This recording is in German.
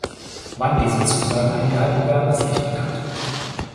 Wann diese Zusagen eingehalten werden, ist nicht bekannt.